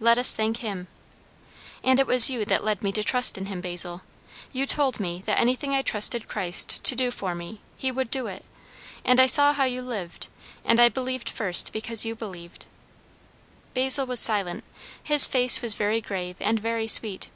"Let us thank Him!" "And it was you that led me to trust in him, Basil. You told me, that anything I trusted Christ to do for me, he would do it; and I saw how you lived, and I believed first because you believed." Basil was silent. His face was very grave and very sweet.